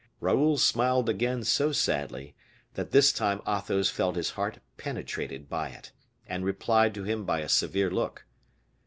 Raoul smiled again so sadly, that this time Athos felt his heart penetrated by it, and replied to him by a severe look.